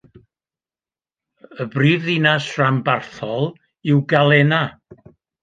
Y brifddinas ranbarthol yw Galena.